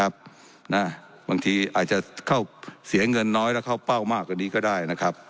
บางทีอาจจะเข้าเสียเงินน้อยแล้วเข้าเป้ามากกว่านี้ก็ได้นะครับ